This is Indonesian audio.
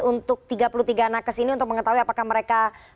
untuk tiga puluh tiga nakes ini untuk mengetahui apakah mereka